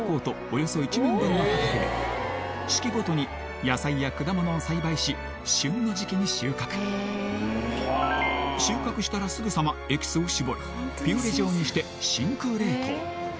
およそ１面分の畑で四季ごとに野菜や果物を栽培し旬の時期に収穫収穫したらすぐさまエキスを搾りピューレ状にして真空冷凍